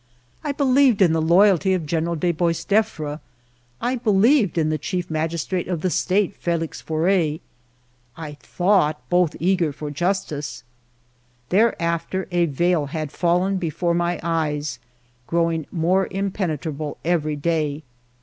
I belieyed in the loyalty of General de BoisdefFre ; I believed in the Chief Magistrate of the State, Felix Faure ; I thought both eager for justice. Thereafter a veil had fallen before my eyes, growing more impenetrable every day.